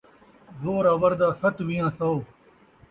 زوراور دا ست ویہاں سو